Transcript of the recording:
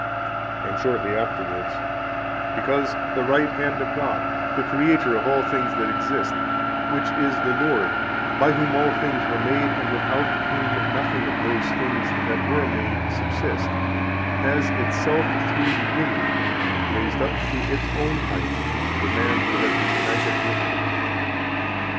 80 And shortly afterwards: "Because the right hand of God, the Creator of all things that exist, which is the Lord, by whom all things were made, and without whom nothing of those things that were made subsist, has itself, through the union, raised up to its own height the man who has been united with it."